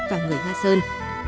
và người nga sơn